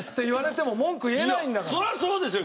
そりゃそうですよ。